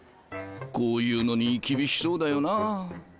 こういうのに厳しそうだよな。